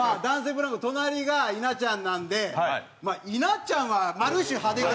ブランコ隣が稲ちゃんなんでまあ稲ちゃんはある種派手か。